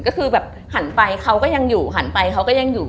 ก็คือแบบหันไปเขาก็ยังอยู่หันไปเขาก็ยังอยู่